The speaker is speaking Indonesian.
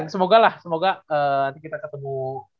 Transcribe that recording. semoga lah semoga nanti kita ketemu